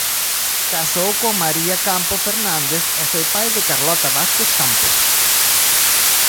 Casou con María Campo Fernández e foi pai de Carlota Vázquez Campo.